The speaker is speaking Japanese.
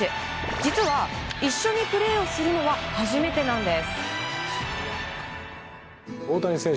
実は一緒にプレーするのは初めてなんです。